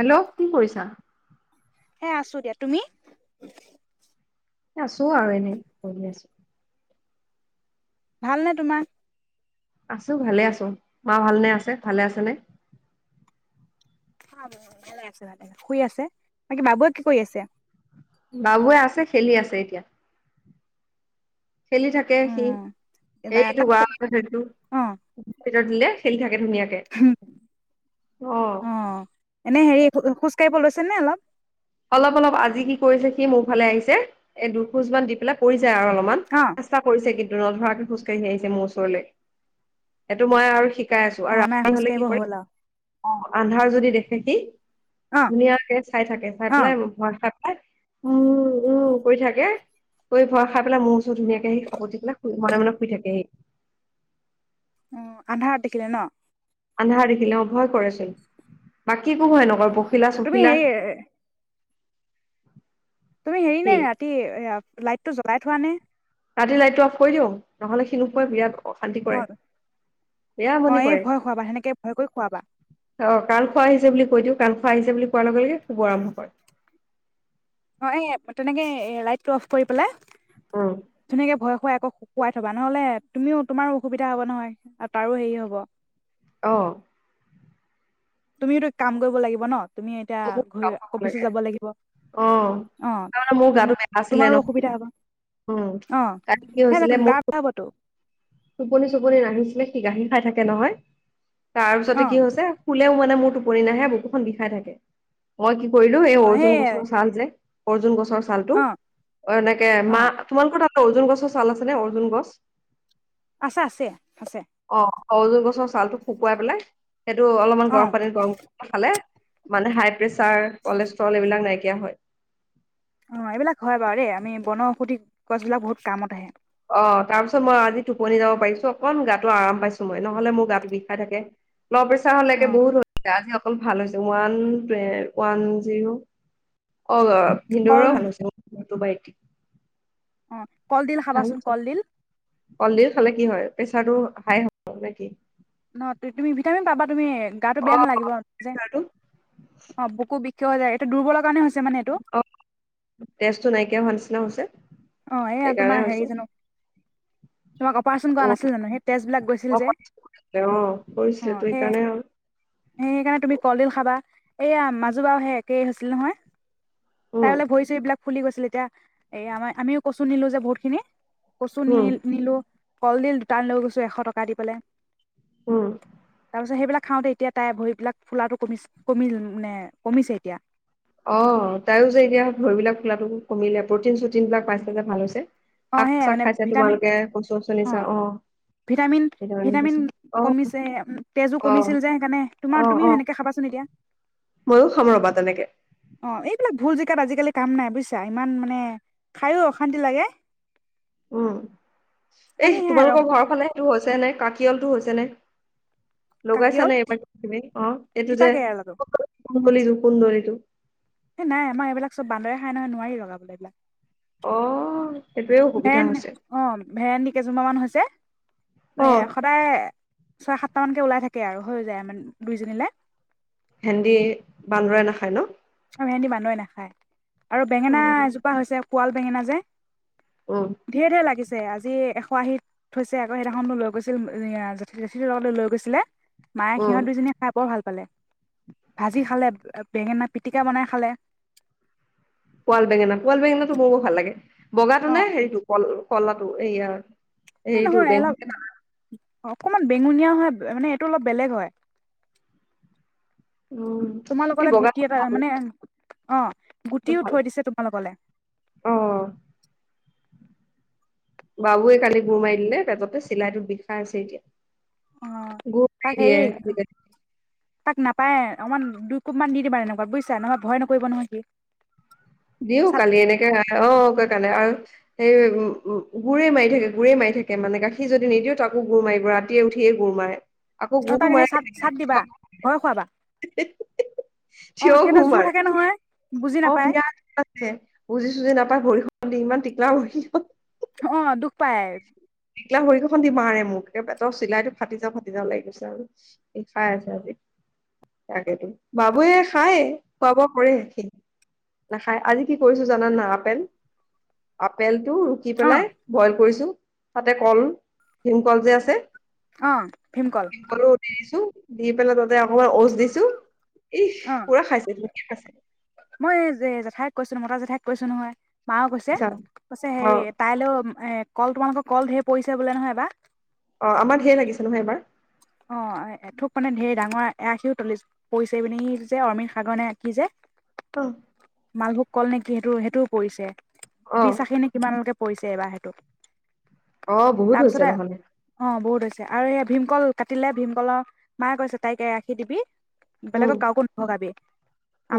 Hello, কি কৰিছা? হে আছো দিয়া, তুমি? আছো আৰু এনেই [unintelligible] আছো ভালনে তোমাৰ? আছো ভালে আছো, মা ভালনে আছে ভালে আছেনে? [unintelligible] ভাল শুই আছে বাকে বাবুৱে কি কৰি আছে? বাবুৱে আছে খেলি আছে এতিয়া। খেলি থাকে সি এ এইটো তাক অ [unintelligible] খেলি থাকে ধুনীয়াকে অ'। এনে হেৰি খোজকাঢ়িব লৈছে নে অলপ? অলপ অলপ আজি কি কৰিছে সি মোৰ ফালে আহিছে এই দুখোজ মান দি পেলাই পৰি ছে আৰু অলপমান অ চেষ্টা কৰিছে কিন্তু নধৰাকে খোজ কঢ়ি আহিছে মোৰ ওচৰলৈ এইটো মই আৰু শি কাই আছো অ আৰু নাই আন্ধৰ খোজ হলে কি কাঢ়িব কৰে হ'ল আৰু অ' আন্ধাৰ যদি দেখ কি কি? অ ধুনীয়াকে চাই থাকে। অ [unintelligible] তাকে উম, উম কৰি থাকে, কৰি ভয় খাই পেলাই মোৰ ওচৰত ধুনীয়াকে আহ খাপতি পেলাই মনে মনে শুই থাকে হি। উম আন্ধাৰ দেখিলে ন? আন্ধাৰ দেখিলে অ' ভয় কৰে চাগে বাকী একো ভয় নকৰে প তুমি এইয়ে তুমি হেৰি সি নে ৰাতি‌ এয়া লাইটটো জ্বলাই থোৱা নে? ৰাতি লাইটতো অফ কৰি দিওঁ, নহ'লে সি নুশুৱে বিৰাট অশান্তি অ কৰে, বেয়া‌ অ আমনি এই কৰে, ভয় খুৱাবা সেনেকে ভয় কৰি খুৱাবা অ', কালখোৱা আহিছে বুলি কৈ দিওঁ। কালখোৱা আহিছে বুলি কোৱাৰ লগে, লগে শুব আৰম্ভ কৰে। অ', এই তেনেকে লাইটটো অফ কৰি পেলাই উম ধুনীয়াকে ভয় শুৱাই আকৌ শুকুৱাই থ'বা নহ'লে তুমিও, তোমাৰো অসুবিধা হ'ব নহয়, তাৰো হেৰি হ'ব। অ'। তুমিয়োটো কাম কৰিব লাগিব ন? তুমি এতিয়া ময়ো ঘূৰি চাউল খাব অফিচো লাগে যাব লাগিব, অ অ', তাৰমানে মোৰ গাটো বেয়া আছিলে তো-তোমাৰো নহয় অসুবিধা হ'ব উম অ', কালি কি হৈছিলে [unintelligible] মোৰ গা বেয়া হ'বতো। টোপনি, চোপনি নাহিছিলে, সি গাখীৰ খাই থাকে নহয়। অ তাৰপিছতে কি হৈছে? শুলেও মানে মোৰ টোপনি নাহে, বকুখন বিষাই থাকে। মই কি কৰিলোঁ, অ এই অৰ্জুন সেই গছৰ ছাল যে অৰ্জুন গ ছৰ চালটো অ', এনেকে অ মা তোমালোকৰ তাত অৰ্জুন গছৰ ছাল আছে নে অৰ্জুন গছ? আছে আছে আছে। অজুন গছৰ ছালটো শুকুৱাই পেলাই সেইটো অলপমান অ গৰম পানীত গৰম কৰি খালে মানে হাই প্ৰেচাৰ কলেষ্ট্ৰল এইবাক নকা দিয়া হয়। অ এইবিলাক হয় বাৰু দেই আমি বনঔষধি গছ বিলাক বহুত কামত আহে। অ তাৰ পিছত মই আজি টোপনি যাব পাৰিছো অকন গাটো আৰাম পাইছো মই নহ'লে মোৰ গাটো বিষ খাই থাকে। ল' প্ৰেছাৰ অ হলেকে বহুত হৈছে আজি অকল ভাল হৈছে ওৱান ওৱান জিৰ' অ অ কল ভিন্দুৰও ভাল হৈছে। ডুবাই। অ। কলডিল খাবাচোন কলডিল। কলডিল খালে কি হয়, প্ৰেচাৰটো হাই হয় নে কি? ন তুমি ভিটামিন পাবা তুমি গাটো অ বেয়া নালাগিব যে, প্ৰেচাৰটো অ' বুকু বিষ। কিয় যায়, এইটো দুৰ্বলৰ কাৰণে হৈছে। মানে এইটো অ' তেজটো নাইকিয়া হোৱাৰ নি। [inaudible] অ' এইয়া তোমাৰ হেৰি জানো তোমাক অপাৰচন কৰা উ নাছিল জানো সেই তেজ বিলাক গৈছিল অ অ যে, কৰিছিলে অ' তো এই সেইকাৰণে হ'ল। সেইকাৰণে তুমি কলডিল খাবা। এইয়া, মাজু বাওহে একেই হৈছিল নহয়? তাই উম হলে ভৰি-চৰি এইবিলাক। ফুলি গৈছিল এতিয়া এইয়া আমাৰ। আমিও কচু নিলো যে বহুতখিনি। কচু উম নিল নিলো। কলডিল দুটান লৈ গৈছো এশ টকা দি পেলাই। উম। তাৰপিছত সেইবিলাক খাওঁতে এতিয়া তাই ভৰিবিলাক ফুলাটো কমি কমি নে কমিছে এতিয়া। অ তাইো যে এতিয়া ঘৰিবলাক খোলাটো কমিলে প্ৰটিন চটিন বিলাক পাইছে যে ভাল হৈছ। অ সেয়াই মানে ভিটামিন, চচু নিছা অ' ভিটামিন- সেইকাৰণে ভিটামিন হৈছে অ কমিছে, তেজো অ কমিছিল যে সেইকাৰণে তোমাৰ তুমিও সেনেকে খাবাচোন এতিয়া। মইও, খাম ৰবা তেনেকে। তাত আজিকালি কাম নাই বুজিছা, ইমান মানে খাইও‌ অশান্তি লাগে। উম, আমি এই সেয়া তোমালোকৰ ৰং ঘৰ খনে সেইতো হৈছে নে? কাকিয়লটো হৈছেনে? লগাইছা কাকিয়ল নে এইবাৰ তুমি? অহ এইটো তিতা যে কেৰেলাটো কুমলী যোগ। সোন্দৰিটো। এ নাই, আমাৰ এইবিলাক চব বান্দৰে খাই নহয় নোৱাৰি লগাবলৈ এইবিলাক। অহ। ভেৰেণ, অ' ভেৰেনী কেইজোপা মান হৈছে অ এ সদায়। ছয়-সাতটা মানকে ওলাই থাকে আৰু, হৈ যায় আ মান দুইজনীলে। ভেন্দি, বান্দৰে নাখায় নহ? ভেন্দী বান্দৰে নাখায়। আৰু অ বেঙেনা এজোপা হৈছে, কুৱাল। বেঙেনা যে। উম ধেৰ-ধেৰ লাগিছে। আজি এশ আশীত থৈছে আকৌ সেইদিনাখনো লৈ গৈছিল জেঠি লে লগত লৈ গৈছিলে। মাইয়ে উম সিহঁত দুইজনীৰ [inaudible] ভাল‌। পালে। ভাজি খালে, বেঙেনা। পিটিকা বনাই খালে। পোৱাল বেঙেনা, পোৱাল বেঙেনাটো মোৰো ভাল লাগে। বগাটো অ নে হেৰিটো কল। কলাটো এইয়াৰ এই এইতো নহয় অলপ [unintelligible] অকমান বেঙুনীয়া হয় মানে এইটো অলপ বেলেগ হয়। উম এই বগা [inaudible] অঁ। গুটিও থৈ দিছে তোমালোকলে। অ বাবুৱে কালি গোৰ মাৰি দিলে পেটতে চিলাইটোত বিষাইছে অ এতিয়া। গোৰ তাক মাৰি হেৰি দিয়ে [inaudible] তাক নাপায় অকমান দুই কোপমান দি দিবা এনকুৱাত বুইছা, নহলে ভয় নকৰিব নহয় সি। দিওঁ চাট কালি এনেকে অ কে কান্দে আৰু সেই উম গোৰেই মাৰি থাকে গোৰেই মাৰি থাকে মানে গাখীৰ যদি নিদিও তাকো গোৰ মাৰিব ৰাতিয়ে উঠিয়ে গোৰ মাৰে। আকৌ আৰু গুৰটো তাক এনেই মাৰে চাট চাট দিবা থিয় ভয় খুৱাবা। অ থিয় গুৰ সিহঁতৰ জোৰ মাৰে থাকে নহয়। বুজি অ নাপায় বিৰাট উৎপাত দিয়ে, বুজি চুজি নাপায় ভৰি ইমান টিকলা [unintelligible] অঁ দুখ পায়। টিকলা ভৰি দুখন দি মাৰে মোক পেটৰ চিলাইটো ফাটি যাওঁ ফাটি যাওঁ লাগি গৈছে আৰু বিষাই আছে আজি। তাকেটো বাবোৱে খাই খোৱা বোৱা কৰে সি নাখায় আজি কি কৰিছে জানানে আপেল-আপেল আপেলটো ৰুকি অ পেলাই বইল কৰিছোঁ তাতে কল ভীমকল যে আছে অ ভীমকল ভীম কলো দি দিছোঁ। দি পেলাই ত তাতে অকমান অওজ দিছোঁ, ইস্ অ পুৰা খাইছে [unintelligible] খাইছে [unintelligible] জেঠাইক‌ কৈছোঁ নহয়। মাও গৈছে আচ্ছা কৈছে অ হেৰি তাইলৈও এই কল তোমালোকৰ কল ঢেৰ পৰিছে বোলে নহয় এইবাৰ। অ' আমাৰ ঢেৰ লাগিছে নহয় এইবাৰ। অ' এক থোক মানে ঢেৰ ডাঙৰ এক আখিও তলি পৰিছে মানে এই যে অৰমিত সাগৰ নে কি যে অ মালভোগ কল নেকি সেইটো সেইটোও পৰিছে। অ বিশ আখি নে কিমান লৈকে পৰিছে এইবাৰ সেইটো। অ' বহুত হৈছে তাৰপিছতে নহ'লে। অ বহুত হৈছে আৰু এয়া ভীমকল কাটিলে ভীমকলৰ, মায়ে কৈছে তাইকে এ আশী দিবি। উম বেলেগক কাকো, [unintelligible]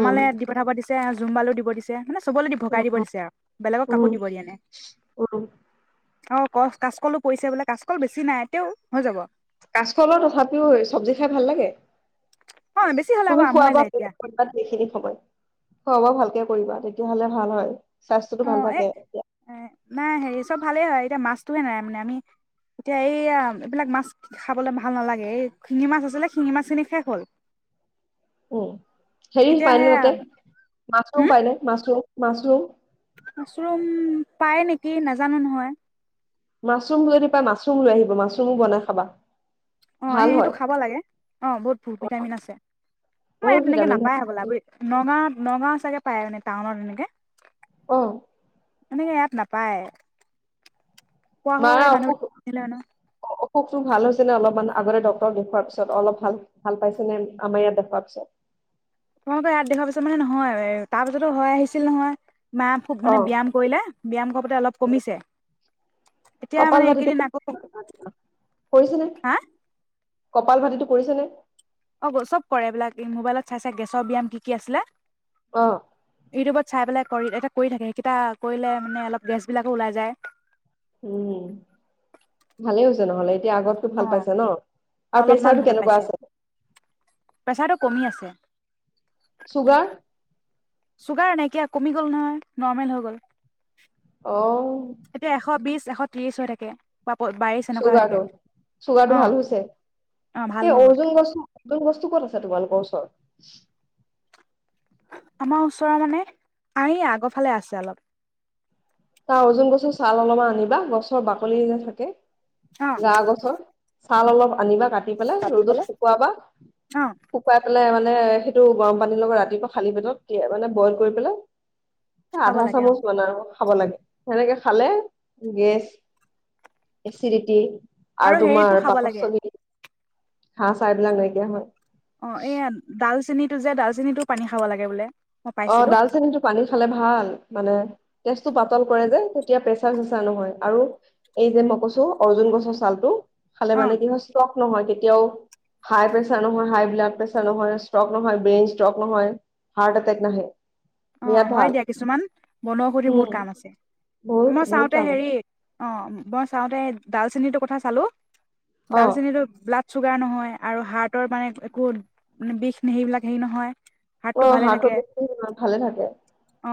উম দি পথাব দিচ সেইয়া জুমবালেওঁ দিব দিছে। মানে চবলৈ দি উম ভগাই দিব উম দিছে আৰু বেলেগক কাকো উম দিব দিয়া নাই। উম অ', ক কাচকলো পৰিছে বোলে কাচকল বেছি নাই তেও হৈ যাব। কাচকলৰ তথাপিও চব্জি খাই ভাল লাগে। অ বেছি হ'লে আকৌ তুমি খোৱা আমুৱাই বোৱা যায় [unintelligible] এতিয়া খুৱা বোৱা ভালকে কৰিবা তেতিয়া হ'লে ভাল হয়। স্বাস্থ্যটো অ ভাল এ থাকে, তেতিয়া। এ নাই হেৰি চব ভালেই হয় এতিয়া মাছটোহে নাই মানে আমি এতিয়া এই এইবিলাক মাছ খাবলৈ ভাল নালাগে, এই শিঙি মাছ আছিলে শিঙি মাছ খিনি শেষ হ'ল। উম, হেৰি এতিয়া পাইনে সেয়া তাতে মাছৰুম হম পাইনে মাছৰুম। মাছৰুম। মাছৰুম পায় নেকি নাজানো নহয়। মাছৰুম লৈদি পা মাছৰুম লৈ আহিবা মাছৰুমো বনাই খাবা। অ', এই ভাল এইটো খাব হয় লাগে, অ' বহুত ভ ভিটামিন আছে আমাৰ বহুত ইয়াত তেনেকে ভিটামিন নাপাই হ'বলা থাকে নগাঁ নগাঁও চাগে পায় মানে টাউনত এনেকে। অ' এনেকে ইয়াত নাপায়। কোৱা মাৰা হয় মানুহ অসুখ [unintelligible] ন। অসুখটো ভাল হৈছে নে অলপমান আগতে ডক্তৰক দেখুৱাৰ পিছত অলপ ভাল- ভাল পাইছে নে আমাৰ ইয়াত দেখুৱাৰ পিছত। তোমালোকৰ ইয়াত দেখুওৱাৰ পিছত বুলি নহয় তাৰ পিছতো হৈ আহিছিল নহয়। মাই খুব অ মানে ব্যায়াম কৰিলে ব্যায়াম কৰতে অলপ কমিছে, এতিয়া কপাল মানে ভাতিটো এইকেইদিন আকৌ, কৰিছেনে হা। কপাল ভাতিটো কৰিছে নে। অ', চব কৰে এইবিলাক মোবাইলত চাই -চাই গেছৰ ব্যায়াম কি- কি আছিলে। অ ইউটিউবত চাই পেলাই কৰি এটা কৰি থাকে সেইকেইটা কৰিলে মানে অলপ গেছ বিলাকো ওলাই যায়। উম, ভালে হৈছে নহ'লে এতিয়া আগতটো অ ভাল পাইছে ন আৰু অলপমান প্ৰেচাৰটো ভাল কেনেকুৱা পাইছে আছে। প্ৰেছাৰটো কমি আছে চুগাৰ। চুগাৰ নাইকিয়া, কমি গ'ল নহয় নৰ্মেল হৈ গ'ল। অ' এতিয়া এশ এশ বিশ ত্ৰিশ হৈ থাকে। বা বাইশ এনেকুৱা হৈ থাকে চুগাৰটো- অ চুগাৰটো ভাল হৈছে, অ ভাল সেই হৈ গ'ল অৰ্জুন গছ গছটো ক'ত আছে তোমালোকৰ ওচৰত। আমাৰ ওচৰৰ মানে, আ এই আগৰফালে আছে অলপ। তাৰ অৰ্জুন গছৰ ছাল অলপমান আনিবা, গছৰ বাকলি যে থাকে অ গা কছৰ। চাল অলপ আনিবা কাটি পেলাই ৰ'দত শুক অ শুকুৱাই মানে সেইটো গৰম পানীৰ লগত ৰাতিপুৱা খালি পেটত মানে বইল কৰি পেলাই খাব আধা লাগে অ চামুচ বন। খাব লাগে সেনেকে খালে গেছ এচিডিটি আৰু তোমাৰ হেৰিটো খাব পাকত লাগে চবি হাঁহ চাহ বিলাক নাইকিয়া হ'ল অ 'এয়া ডালচেনী টো যে ডালচেনিটোৰ পানী খাব লাগে বোলে। মই অ পাইছিলো 'ডালচেনী টো পানী খালে ভাল মানে তেজটো পাতল কৰে যে তেতিয়া প্ৰেচাৰ চেচাৰ নহয় আৰু এই যে মই কৈছো অৰ্জুন গছৰ ছালটো। খালে অ মানে কি হয় ষ্টক নহয়। হাই প্ৰেছাৰ নহয় হাই ব্লাড প্ৰেছাৰ নহয় ষ্ট্ৰক নহয় ব্ৰেইন ষ্ট্ৰক নহয় হাৰ্ট এটেক্ত অ' হয় দিয়া কিছুমান বনৌষধি বহুত উম কাম আছে বহুত মই বহুত চাওঁতে কাম হেৰি আছে অ' মই চাওঁতে ডালচেনীটোৰ কথা চালো অ ডালচেনি টোৰ ব্লাড চুগাৰ নহয় আৰু হাৰ্টৰ মানে একো বিষ নে সেইবিলাক হেৰি নহয়। হাৰ্টটো অ' ভালে থাকে হাৰ্ট বেছি ভালে থাকে।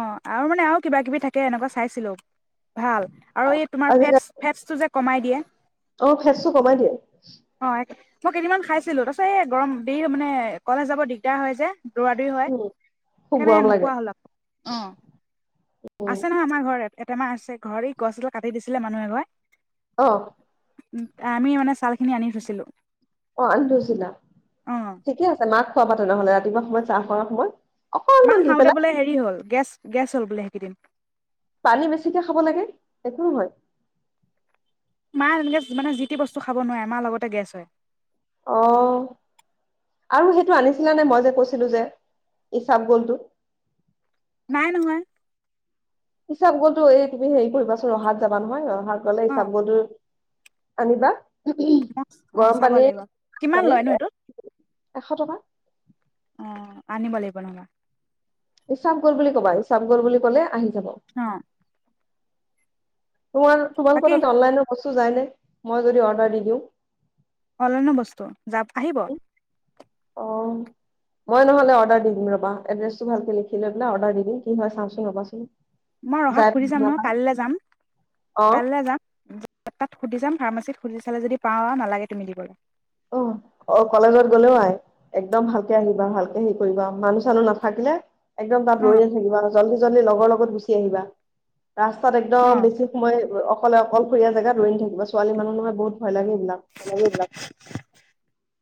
অ' আৰু মানে আৰু কিবা কিবি থাকে এনেকুৱা চাইছিলো ভাল আৰু এই তোমাৰ ফেট আজিকালি ফেটটো যে কমাই দিয়ে। অ, ফেচটো কমাই। [unintelligible] অ', মই কেইদিনমান খাইছিলো তাৰ পিছত এ গৰম দেৰি হয় মানে কলেজ যাব দিগদাৰ হয় যে। দৌৰা -দৌৰি হয় উম খুব গৰম সেইকাৰণে লাগে কোৱা হ [unintelligible] অ। আছে নহয় আমাৰ ঘৰ [unintelligible] এটামাহ আছে ঘৰ এই গছ এডাল কাটি দিছিলে মানুহ এঘৰে অ। উম, আমি মানে ছাল খিনি আনি থৈছিলো। অ, আনি থৈচিলা ঠিকে আছে মাক খোৱাবা তেনেহলে ৰাতিপুৱা সময়ত চাহ খোৱাৰ সময়ত। মাহ অকনমান দি পেলাই খাওঁতে বোলে হেৰি হ'ল গেছ গেছ হ'ল বোলে সেকেদিন দিন। পানী বেছিকে খাব লাগে একো নহয়। মাৰ এনেকে মানে যিটি বস্তু খাব নোৱাৰে মাৰ লগতে গেছ হয়। অ, আৰু সেইটো আনিছিলা নে মই যে কৈছিলো যে ইচাপ গলটো? নাই নহয়। ইচাপ গ'লতো এই তুমি হেৰি কৰিবাচোন ৰহাত যাবা নহয় ৰহা গ'লে অ ইচাবগলটো আনিবা। অ, গৰম চাব পানীৰ লাগিব, কিমান পানীত লয়নো এইটোত? এশ টকা অ। আনিব লাগিব নহবা। ইচাবগল বুলি ক'বা, ইচাবগল বুলি ক'লে আহি যাব অঁ। তোমাৰ তোমালোকৰ বাকী তাতে অনলাইনৰ বস্ টো যায় নে মই যদি অৰ্ডাৰ দি দিওঁ? অনলাইনৰ বস্তু? যা আহিব। অহ, মই নহ'লে অৰ্ডাৰ দি দিম ৰবা এড্ৰেছটো ভালকে লিখি লৈ পেলাই অৰ্ডাৰ দি দিম কি হয় চাওঁচোন ৰবাচোন। মই যাই ৰহাত সুধি চাম নহয় কাইলে যাম, অ কাইলে যাম তাত সুধি যাম ফাৰ্মাচীত সুধি চালে যদি পাওঁ আও নালাগে তুমি দিবলে। অহ, অ, কলেজত গ'লেও আই একদম ভালকে আহিবা ভালকে হেৰি কৰিবা মানুহ -চানুহ নাথাকিলে একদম তাত অ ৰৈ নেথাকিবা জল্দি -জল্দি লগৰ লগত গুচি আহিবা। ৰাস্তাত একদম বেছি সময় অ অকলে অকলশৰীয়া জেগাত ৰৈ নাথাকিবা ছোৱালী মানুহ নহয় বহুত ভয় লাগে। এইবিলাক [unintelligible]